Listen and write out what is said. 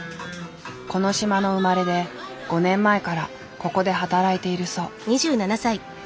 この島の生まれで５年前からここで働いているそう。